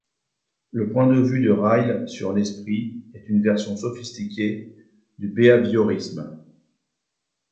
Le point de vue de Ryle sur l'esprit est une version sophistiquée du béhaviorisme.